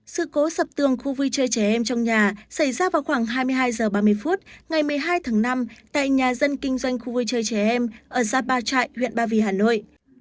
sự cố sập tường khu vui chơi trẻ em trong nhà xảy ra vào khoảng hai mươi hai h ba mươi phút ngày một mươi hai tháng năm tại nhà dân kinh doanh khu vui chơi trẻ em ở xa ba trại huyện ba vì hà nội